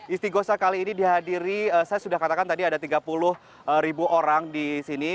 istiqosah kali ini dihadiri saya sudah katakan tadi ada tiga puluh ribu orang di sini